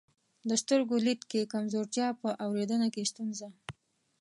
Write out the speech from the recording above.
د سترګو لید کې کمزورتیا، په اورېدنه کې ستونزه،